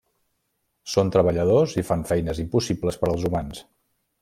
Són treballadors i fan feines impossibles per als humans.